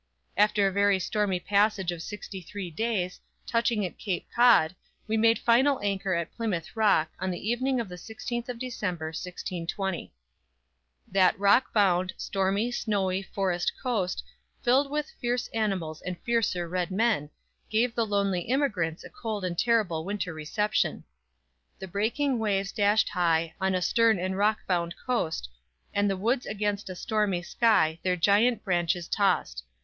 After a very stormy passage of sixty three days, touching at Cape Cod, we made final anchor at Plymouth Rock, on the evening of the 16th of December, 1620. That rock bound, stormy, snowy, forest coast, filled with fierce animals and fiercer red men, gave the lonely emigrants a cold and terrible winter reception. _"The breaking waves dashed high On a stern and rock bound coast, And the woods against a stormy sky Their giant branches tossed.